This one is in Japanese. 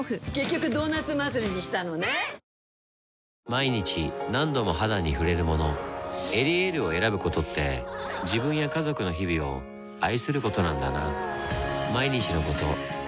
毎日何度も肌に触れるもの「エリエール」を選ぶことって自分や家族の日々を愛することなんだなぁ